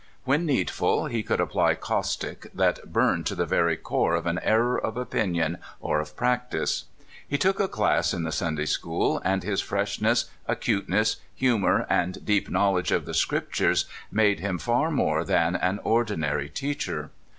When needful, he could apply caustic that burned to the very core of an error of opinion or of practice. He took a class in the Sunday school; and his freshness, acute ness, humor, and deep knowledge of the Scrip tures made him far more than an ordinary teacher.